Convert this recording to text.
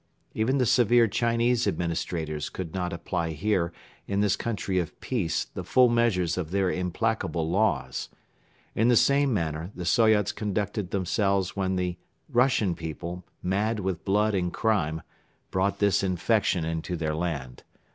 Even the severe Chinese administrators could not apply here in this country of peace the full measure of their implacable laws. In the same manner the Soyots conducted themselves when the Russian people, mad with blood and crime, brought this infection into their land.